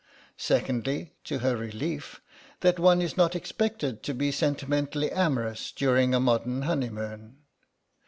Secondly, to her relief, that one is not expected to be sentimentally amorous during a modern honeymoon.